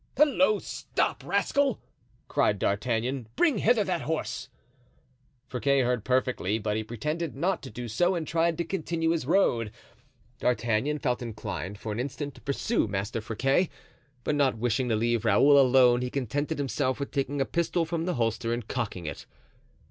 "Halloo! stop, rascal!" cried D'Artagnan. "Bring hither that horse." Friquet heard perfectly, but he pretended not to do so and tried to continue his road. D'Artagnan felt inclined for an instant to pursue Master Friquet, but not wishing to leave Raoul alone he contented himself with taking a pistol from the holster and cocking it.